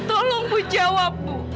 tolong pu jawab bu